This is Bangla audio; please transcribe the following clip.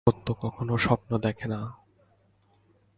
সত্য কখনও স্বপ্ন দেখে না।